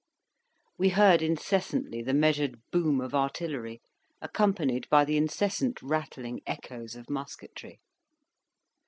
We heard incessantly the measured boom of artillery, accompanied by the incessant rattling echoes of musketry.